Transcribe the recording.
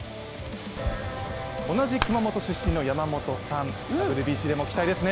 同じ熊本出身の山本さん、ＷＢＣでも期待ですね。